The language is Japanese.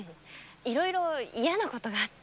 いろいろ嫌なことがあって。